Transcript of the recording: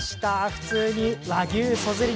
普通に和牛そずり